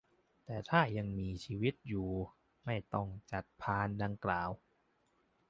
แต่ถ้ายังมีชีวิตอยู่ไม่ต้องจัดพานดังกล่าว